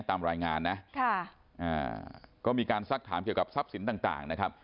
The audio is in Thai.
ตามรายงานนะก็มีการซักถามเกี่ยวกับทรัพย์สินต่างนะครับ